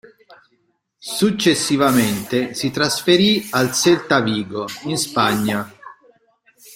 Successivamente si trasferì al Celta Vigo, in Spagna.